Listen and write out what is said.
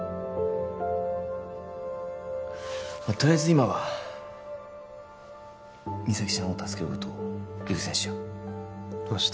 とりあえず今は実咲ちゃんを助けることを優先しよう明日